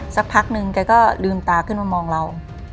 สักพักนึงแกก็ลืมตาขึ้นมามองเรา